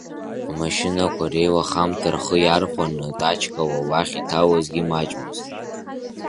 Амашьынақәа реилахамҭа рхы иархәаны, тачкала уахь иҭалозгьы маҷмызт.